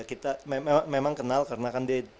kita memang kenal karena kan dia